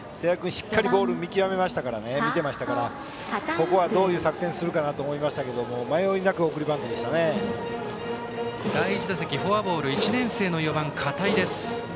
しっかりボールを見てましたからここはどういう作戦をするかなと思いましたけど第１打席、フォアボール１年生の４番、片井です。